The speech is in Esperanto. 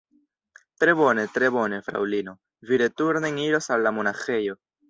Tre bone, tre bone, Fraŭlino, vi returnen iros al la monaĥejo